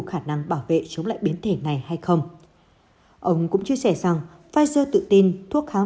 khả năng bảo vệ chống lại biến thể này hay không ông cũng chia sẻ rằng pfizer tự tin thuốc kháng